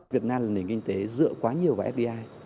việt nam là nền kinh tế dựa quá nhiều vào fdi